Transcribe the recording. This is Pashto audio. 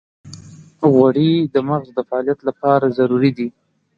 غوړې د مغز د فعالیت لپاره ضروري دي.